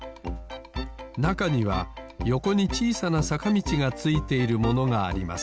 なかにはよこにちいさなさかみちがついているものがあります